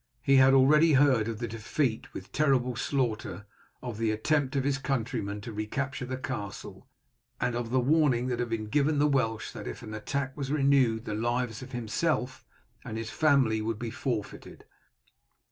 He had already heard of the defeat, with terrible slaughter, of the attempt of his countrymen to recapture the castle, and of the warning that had been given the Welsh that if the attack was renewed the lives of himself and his family would be forfeited.